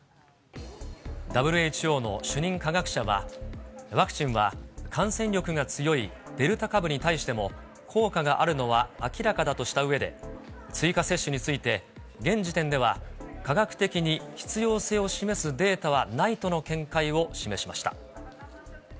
ＷＨＯの主任科学者は、ワクチンは感染力が強いデルタ株に対しても効果があるのは明らかだとしたうえで、追加接種について、現時点では科学的に必要性を示すデータはないとの見解を示しました。